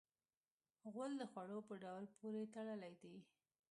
غول د خوړو په ډول پورې تړلی دی.